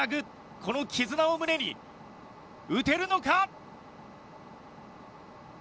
この絆を胸に打てるのか？